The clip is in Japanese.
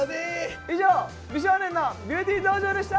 以上「美少年のビューティー道場」でした！